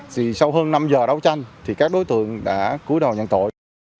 thì sau hơn năm giờ đấu tranh thì các đối tượng đã cúi đầu nhận tội